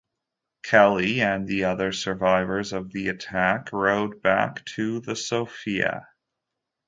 Kelly and the other survivors of the attack rowed back to the "Sophia".